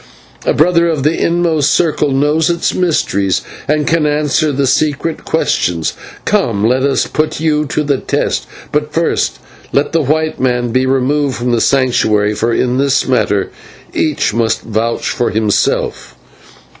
A brother of the inmost circle knows its mysteries and can answer the secret questions. Come, let us put you to the test, but first let the white man be removed from the Sanctuary, for in this matter each must vouch for himself."